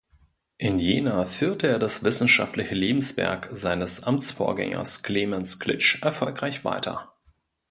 In Jena führte er das wissenschaftliche Lebenswerk seines Amtsvorgängers Clemens Klitsch erfolgreich weiter.